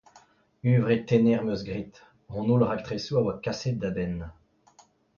Huñvre tener 'm eus graet : hon holl raktresoù a oa kaset da benn.